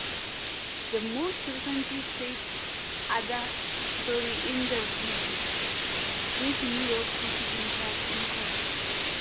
She most recently played Addaperle in "The Wiz" with New York City Center's "Encores!